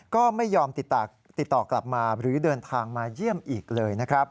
ก็ไม่ยอมติดต่อกลับมาหรือเดินทางมาเยี่ยมอีกเลยนะครับ